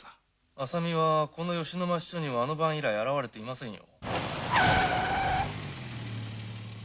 浅見はこの吉野町署にはあの晩以来現れていませんよ。